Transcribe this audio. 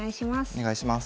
お願いします。